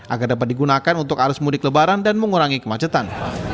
agar dapat digunakan untuk arus mudik lebaran dan mengurangi kemacetan